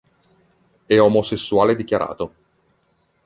È omosessuale dichiarato.